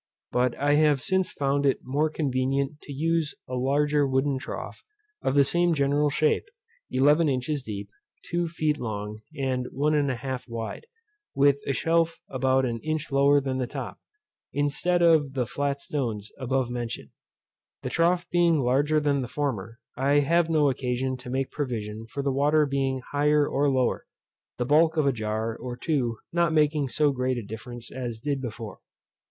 But I have since found it more convenient to use a larger wooden trough, of the same general shape, eleven inches deep, two feet long, and 1 1/2 wide, with a shelf about an inch lower than the top, instead of the flat stones above mentioned. This trough being larger than the former, I have no occasion to make provision for the water being higher or lower, the bulk of a jar or two not making so great a difference as did before.